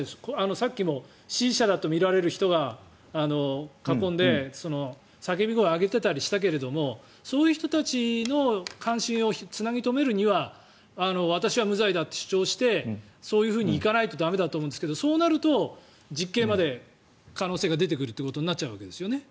さっきも支持者だとみられる人が囲んで叫び声を上げていたりしたけれどそういう人たちの関心をつなぎ留めるには私は無罪だって主張してそういうふうに行かないと駄目だと思うんですけどそうなると、実刑まで可能性が出てくるということになっちゃうわけですよね。